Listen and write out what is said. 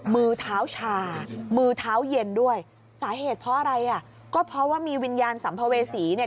มือเท้าชามือเท้าเย็นด้วยสาเหตุเพราะอะไรอ่ะก็เพราะว่ามีวิญญาณสัมภเวษีเนี่ย